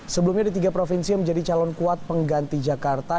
sebelumnya di tiga provinsi yang menjadi calon kuat pengganti jakarta